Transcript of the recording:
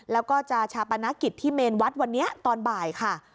แล้วก็จะชาปนกิจที่เมนวัดวันนี้ตอนบ่ายค่ะ